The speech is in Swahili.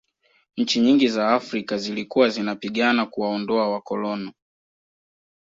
nchi nyingi za afrika zilikuwa zinapigana kuwaondoa wakolono